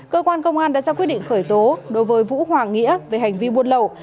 cơ quan công an đã ra quyết định khởi tố đối với vũ hoàng nghĩa về hành vi buôn lậu